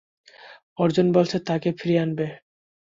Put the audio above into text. অর্জুন বলছে তাকে ফিরিয়ে আনবে?